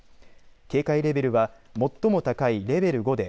警戒レベルは最も高いレベル５で